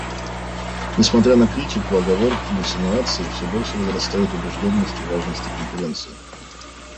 Несмотря на критику, оговорки и инсинуации, все больше возрастает убежденность в важности Конференции.